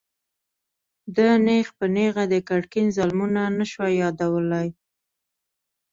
ده نېغ په نېغه د ګرګين ظلمونه نه شوای يادولای.